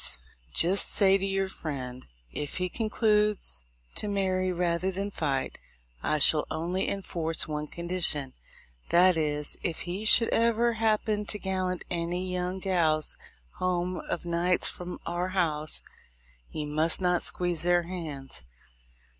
— Jist say to your friend, if he concludes to marry rather than fight, I shall only in force one condition, that is, if he should ever happen to gallant any young gals home of nights from our house, he must not squeeze their hands.